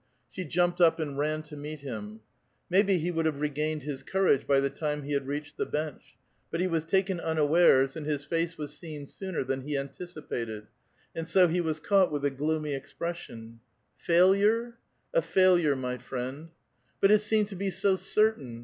She jumped up, and ran to meet him. Maybe he would hftve regained his courage by the time he had reached the bench ; but he was taken unawares, and his face was seen sooner than he anticipated, and so he was caught with a gloomy expression. '^ Failure?" *' A failure, my friend." '* But it seemed to be so certain.